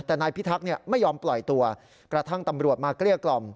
แต่นายพิทักษ์ไม่ยอมปล่อยตัวกระทั่งตำรวจมาเกลี้ยกล่อม